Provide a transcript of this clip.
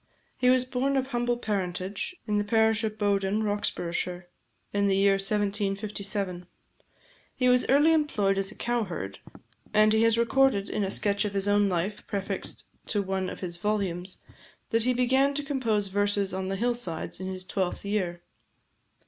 He was born of humble parentage, in the parish of Bowden, Roxburghshire, in the year 1757. He was early employed as a cowherd; and he has recorded, in a sketch of his own life prefixed to one of his volumes, that he began to compose verses on the hill sides in his twelfth year.